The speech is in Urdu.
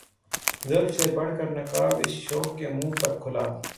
زلف سے بڑھ کر نقاب اس شوخ کے منہ پر کھلا